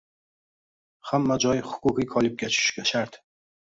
Hamma joy huquqiy qolipga tushishi shart.